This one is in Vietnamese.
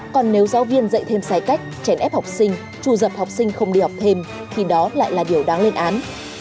còn nếu giáo viên dạy thêm sai cách chèn ép học sinh trù dập học sinh không đi học thêm thì đó lại là điều đáng lên án